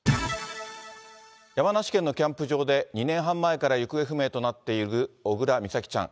山梨県のキャンプ場で、２年半前から行方不明となっている小倉美咲ちゃん。